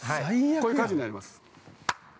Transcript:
こういう感じになります。